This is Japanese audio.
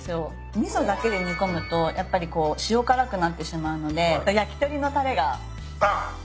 味噌だけで煮込むとやっぱりこう塩辛くなってしまうので焼き鳥のたれが入ってる。